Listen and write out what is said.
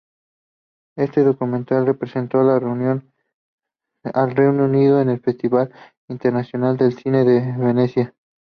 Este documental representó al Reino Unido en el Festival Internacional de Cine de Venecia.